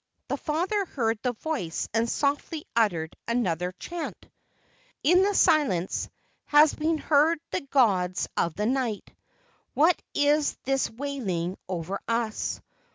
The father heard the voice and softly uttered another chant: "In the silence Has been heard the gods of the night; What is this wailing over us?